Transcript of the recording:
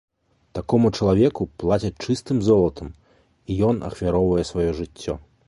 Такому чалавеку плацяць чыстым золатам, і ён ахвяроўвае сваё жыццё.